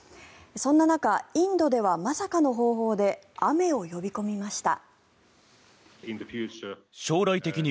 そんな中、インドではまさかの方法で雨を呼び込みました。